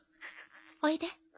おいで。